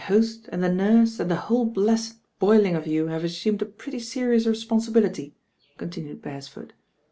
"'^''°"*^»« n«"« «n<J the whole blessed boiling of you have assumed a pretty serious responsibihty," continued Beresford.